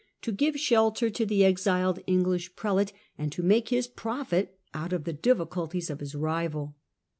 to give shelter to the exiled English prelate, and to make his profit out of the difficulties of his rival.